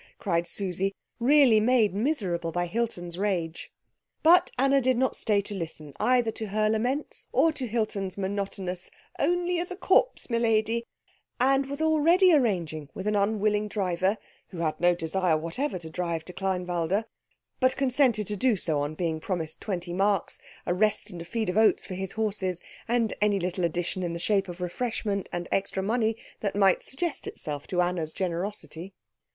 cried Susie, really made miserable by Hilton's rage. But Anna did not stay to listen either to her laments or to Hilton's monotonous "Only as a corpse, m'lady," and was already arranging with an unwilling driver, who had no desire whatever to drive to Kleinwalde, but consented to do so on being promised twenty marks, a rest and feed of oats for his horses, and any little addition in the shape of refreshment and extra money that might suggest itself to Anna's generosity.